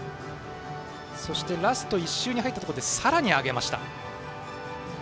そして、ラスト１周に入ってさらに上げました。